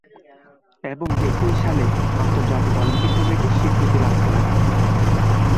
এবং একই সালে আন্তর্জাতিক অলিম্পিক কমিটির স্বীকৃতি লাভ করে।